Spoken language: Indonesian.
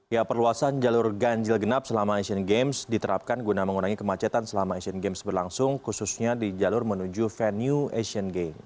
ya perluasan jalur ganjil genap selama asian games diterapkan guna mengurangi kemacetan selama asian games berlangsung khususnya di jalur menuju venue asian games